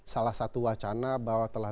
salah satu wacana bahwa telah